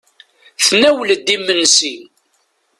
Tnawel-d imensi.